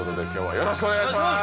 よろしくお願いします